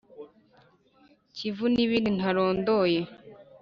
kivu n’ibindi ntarondoye.